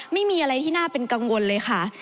ไม่มีอะไรที่น่าเป็นกังวลเลยค่ะ